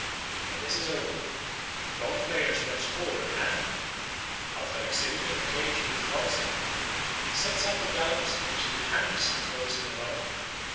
When this is over, the Frog flayer steps forward and, after exhibiting a cage with frogs in it, sets up a gallows on which he hangs the frogs in a row.